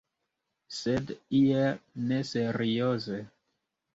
Sed iel neserioze.